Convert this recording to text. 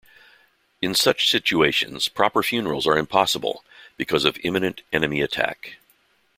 In such situations, proper funerals are impossible because of imminent enemy attack.